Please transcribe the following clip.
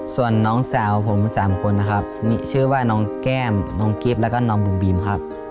ส่วนน้องสาวผม๓คนนะครับมีชื่อว่าน้องแก้มน้องกิฟต์แล้วก็น้องบุ๋มบีมครับ